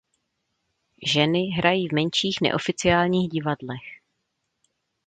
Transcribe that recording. Ženy hrají v menších neoficiálních divadlech.